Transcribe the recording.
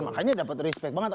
makanya dapat respect banget